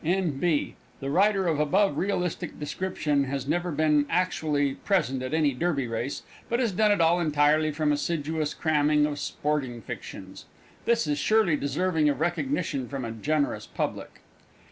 (N.B. The writer of above realistic description has never been actually present at any Derby Race, but has done it all entirely from assiduous cramming of sporting fictions. This is surely deserving of recognition from a generous public!)